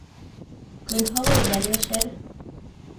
Көнһылыуҙа йәшәр.